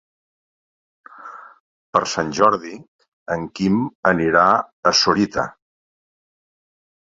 Per Sant Jordi en Quim anirà a Sorita.